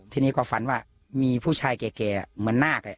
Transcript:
ทีนี้ก็ฝันว่ามีผู้ชายแก่เหมือนนาค